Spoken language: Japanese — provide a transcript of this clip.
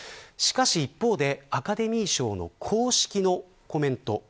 しかし、一方でアカデミー賞の公式のコメント